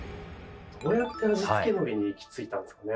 どうやって味付けのりに行き着いたんですかね？